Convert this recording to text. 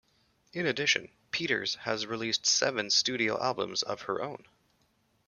In addition, Peters has released seven studio albums of her own.